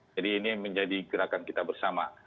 jadi ini menjadi gerakan kita bersama